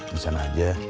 di sana aja